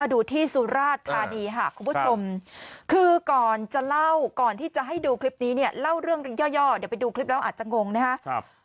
ดูที่สุราชธานีค่ะคุณผู้ชมคือก่อนจะเล่าก่อนที่จะให้ดูคลิปนี้เนี่ยเล่าเรื่องย่อเดี๋ยวไปดูคลิปแล้วอาจจะงงนะครับ